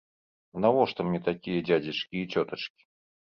А навошта мне такія дзядзечкі і цётачкі?